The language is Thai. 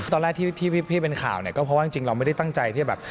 ตอนแรกที่พี่เป็นข่าวเนี่ยก็เพราะว่าจริงเราไม่ได้ตั้งใจที่แบบ